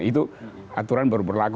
itu aturan baru berlaku